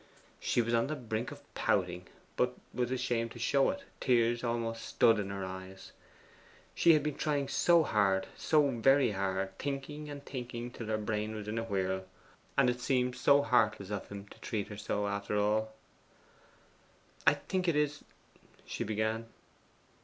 She was on the brink of pouting, but was ashamed to show it; tears almost stood in her eyes. She had been trying so hard so very hard thinking and thinking till her brain was in a whirl; and it seemed so heartless of him to treat her so, after all. 'I think it is ' she began.